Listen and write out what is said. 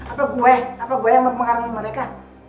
apa gue apa gue yang mempengaruhi mereka